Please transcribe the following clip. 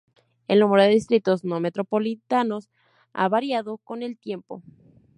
El número de distritos no metropolitanos ha variado con el tiempo.